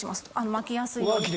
巻きやすいように。